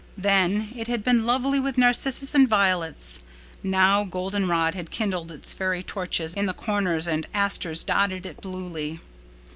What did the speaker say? Then it had been lovely with narcissus and violets; now golden rod had kindled its fairy torches in the corners and asters dotted it bluely.